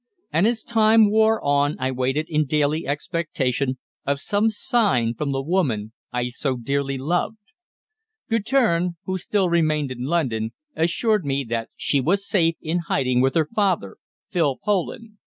And as time wore on I waited in daily expectation of some sign from the woman I so dearly loved. Guertin, who still remained in London, assured me that she was safe in hiding with her father, Phil Poland.